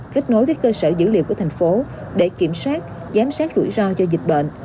kết nối với cơ sở dữ liệu của thành phố để kiểm soát giám sát rủi ro do dịch bệnh